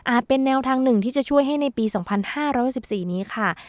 เป็นแนวทางหนึ่งที่จะช่วยให้ในปี๒๕๖๔นี้ค่ะ